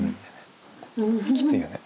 きついよね。